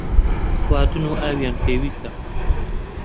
خواردن و ئاویان پێویستە.